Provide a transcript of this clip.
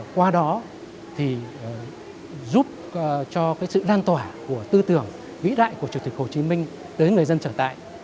qua đó giúp cho sự lan tỏa của tư tưởng vĩ đại của chủ tịch hồ chí minh đến người dân trở tại